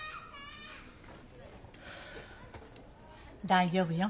大丈夫よ。